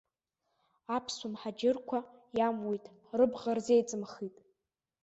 Аԥсуа мҳаџьырқәа, иамуит, рыбӷа рзеиҵымхит.